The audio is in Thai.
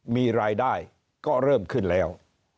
มีรายได้ก็เริ่มขึ้นแล้ว